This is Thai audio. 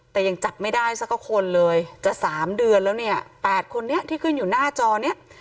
แต่ยังจับไม่ได้สักคนเลยจะสามเดือนแล้วเนี่ย๘คนนี้ที่ขึ้นอยู่หน้าจอเนี่ย